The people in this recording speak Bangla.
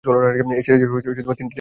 এ সিরিজের তিন টেস্টে অংশ নিয়েছিলেন।